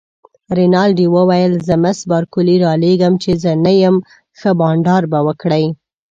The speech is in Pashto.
رینالډي وویل: زه مس بارکلي رالېږم، چي زه نه یم، ښه بانډار به وکړئ.